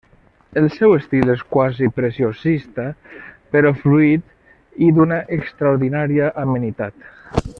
El seu estil és quasi preciosista, però fluid i d'una extraordinària amenitat.